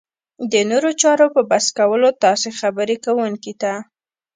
د نورو چارو په بس کولو تاسې خبرې کوونکي ته